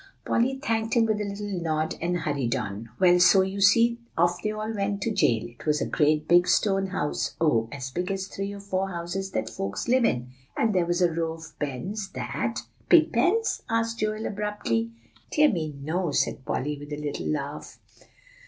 Polly thanked him with a little nod, and hurried on. "Well, so you see, off they all went to jail. It was a great big stone house, oh! as big as three or four houses that folks live in, and there was a row of pens that" "Pig pens?" asked Joel abruptly. "Dear me, no," said Polly, with a little laugh.